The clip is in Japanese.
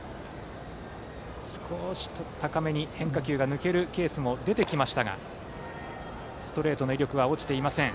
少し高めに変化球が抜けるケースも出てきましたがストレートの威力は落ちていません。